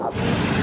sampai ke pahlawan